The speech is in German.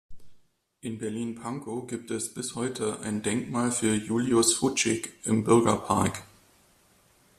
In Berlin-Pankow gibt es bis heute ein Denkmal für Julius Fučík im Bürgerpark.